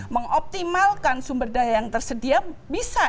mengoptimalkan sumber daya yang tersedia bisa